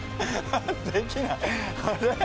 できない。